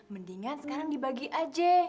mendingan sekarang dibagi aja